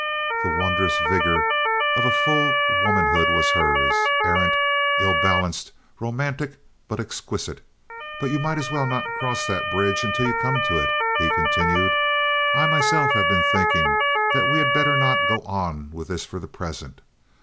The wondrous vigor of a full womanhood was hers—errant, ill balanced, romantic, but exquisite, "but you might as well not cross that bridge until you come to it," he continued. "I myself have been thinking that we had better not go on with this for the present.